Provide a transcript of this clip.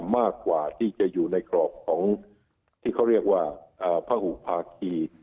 มากกว่าที่จะอยู่ในกรอบของที่เขาเรียกว่าพระหุภาคี